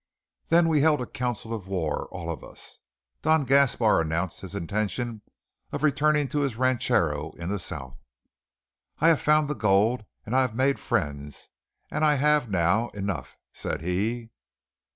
Then we held a council of war, all of us. Don Gaspar announced his intention of returning to his rancho in the south. "I have found the gold, and I have made fren's, and I have now enough," said he.